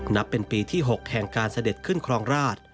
นับเป็นปีที่๖แห่งการเสด็จขึ้นครองราช